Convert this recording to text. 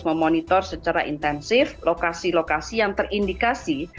memonitor secara intensif lokasi lokasi yang terindikasi